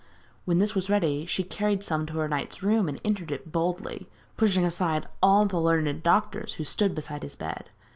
When this was ready she carried some to the knight's room and entered it boldly, pushing aside all the learned doctors who stood beside his bed.